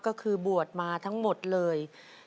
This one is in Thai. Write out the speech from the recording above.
ก็คือบวชมาทั้งหมดเลย